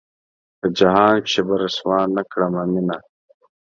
پۀ جهان کښې به رسوا نۀ کړمه مينه